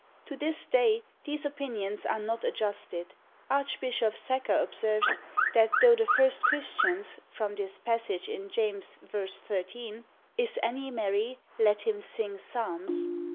To this day these opinions are not adjusted. Archbishop Secker observes, that though the first Christians (from this passage in James v. 13, "Is any merry? let him sing psalms!")